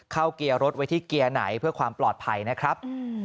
เกียร์รถไว้ที่เกียร์ไหนเพื่อความปลอดภัยนะครับ